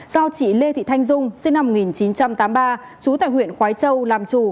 do chị lê thị thanh dung sinh năm một nghìn chín trăm tám mươi ba trú tại huyện khói châu làm chủ